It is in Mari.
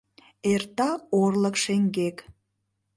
Эрта орлык шеҥгек.